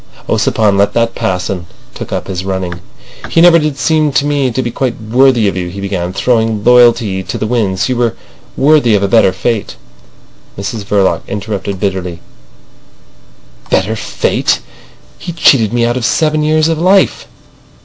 Ossipon let that pass, and took up his running. "He never did seem to me to be quite worthy of you," he began, throwing loyalty to the winds. "You were worthy of a better fate." Mrs Verloc interrupted bitterly: "Better fate! He cheated me out of seven years of life."